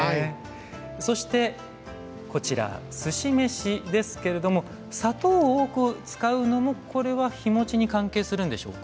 そしてこちらすし飯ですけれども砂糖を多く使うのもこれは日もちに関係するんでしょうか？